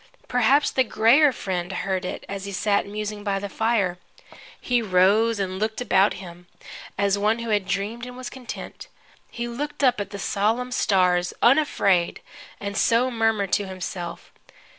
Perhaps the grayer friend heard it, as he sat musing by the fire. He rose and looked about him, as one who had dreamed and was content. He looked up at the solemn stars unafraid, and so murmured to himself.